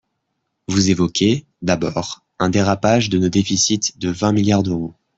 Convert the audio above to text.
Vous évoquez, d’abord, un dérapage de nos déficits de vingt milliards d’euros.